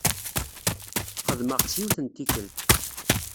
Xedmeɣ-tt yiwet n tikkelt.